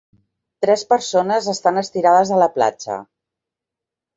Tres persones estan estirades a la platja.